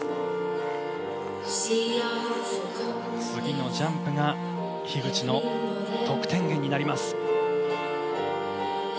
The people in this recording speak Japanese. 次のジャンプが樋口の得点源になります。